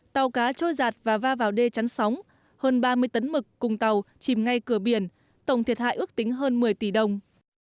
tàu cá trôi giạt và va vào đê chắn sóng hơn ba mươi tấn mực cùng tàu chìm ngay cửa biển tổng thiệt hại ước tính hơn một mươi tỷ đồng